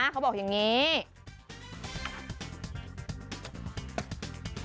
เขาบอกอย่างนี้